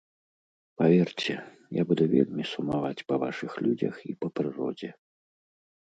Паверце, я буду вельмі сумаваць па вашых людзях і па прыродзе.